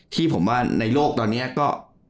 ที่ผมว่าในโลกตอนนี้ก็